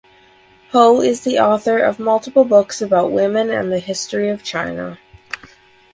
Ho is the author of multiple books about women and the history of China.